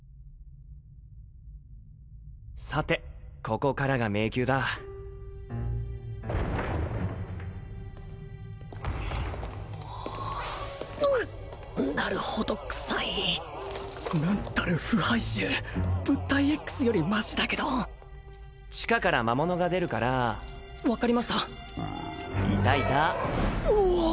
さてここからが迷宮だうっなるほど臭い何たる腐敗臭物体Ｘよりマシだけど地下から魔物が出るから分かりましたいたいたうわ